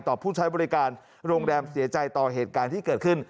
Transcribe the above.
ผู้ใช้บริการโรงแรมเสียใจต่อเหตุการณ์ที่เกิดขึ้น